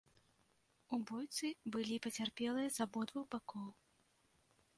У бойцы былі пацярпелыя з абодвух бакоў.